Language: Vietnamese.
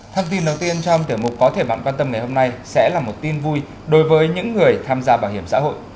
thông tin đầu tiên trong tiểu mục có thể bạn quan tâm ngày hôm nay sẽ là một tin vui đối với những người tham gia bảo hiểm xã hội